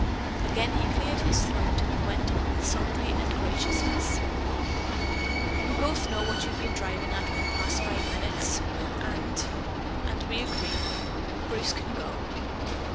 Again he cleared his throat and went on with sulky ungraciousness: "We both know what you've been driving at for the past five minutes. And and we agree. Bruce can go."